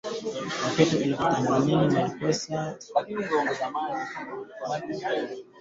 Watoto elfu thelathini wakoseshwa makazi Msumbiji ndani ya mwezi mmoja